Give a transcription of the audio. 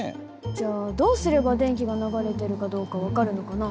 じゃあどうすれば電気が流れてるかどうか分かるのかな？